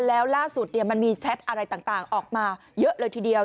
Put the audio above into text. แล้วล่าสุดมันมีแชทอะไรต่างออกมาเยอะเลยทีเดียว